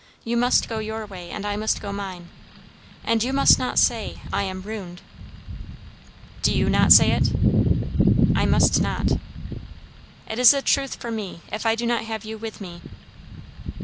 You must go your way, and I must go mine. And you must not say, I am ruined." "Do not you say it?" "I must not." "It is the truth for me, if I do not have you with me."